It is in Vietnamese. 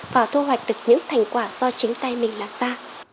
và thu hoạch được những thành quả do chính tay mình đặt ra